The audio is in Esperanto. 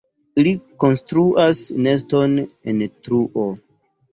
Ili konstruas neston en truo.